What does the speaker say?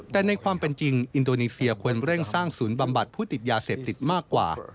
แต่ในความเป็นจริงอินโดนีเซียควรเร่งสร้างศูนย์บำบัดผู้ติดยาเสพติดมากกว่า